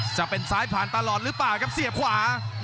จะเป็นซ้ายผ่านตลอดหรือเปล่าครับเสียบขวา